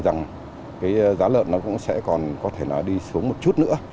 giá lợn nó cũng sẽ còn có thể đi xuống một chút nữa